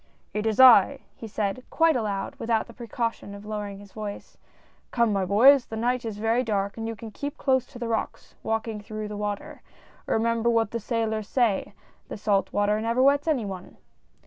" It is I !" he said, quite aloud, without the precaution of lowering his voice —" come on my boys. The night is very dark, and you can keep close to the rocks, walk ing through the water. Remember what the sailors say, that salt water never wets any one